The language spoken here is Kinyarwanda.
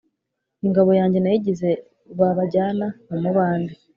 Ingabo yanjye nayigize Rwabajyana mu mubande,